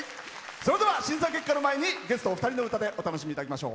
審査結果の前にゲストお二人の歌でお楽しみいただきましょう。